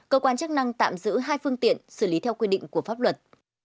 cơ quan chức năng tạm giữ hai phương tiện xử lý theo quy định của pháp luật